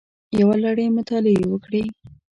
یوه لړۍ مطالعې یې وکړې